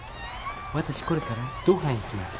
わたしこれから同伴行きます。